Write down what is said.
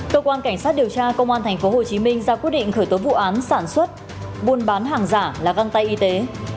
cơ quan cảnh sát điều tra công an tp hcm ra quyết định khởi tố vụ án sản xuất buôn bán hàng giả là găng tay y tế